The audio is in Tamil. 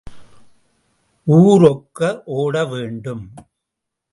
ஊர் ஒக்க ஓட வேண்டும்.